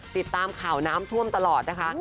ติดตามข่าวน้ำท่วมตลอดนะคะ